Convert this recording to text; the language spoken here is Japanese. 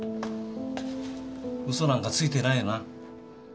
嘘なんかついてないよな？